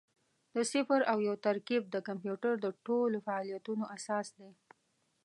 د صفر او یو ترکیب د کمپیوټر د ټولو فعالیتونو اساس دی.